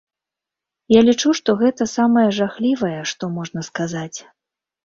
Я лічу, што гэта самае жахлівае, што можна сказаць.